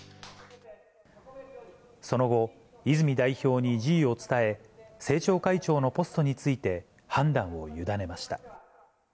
その後、泉代表に辞意を伝え、政調会長のポストについて、判断を委ねました。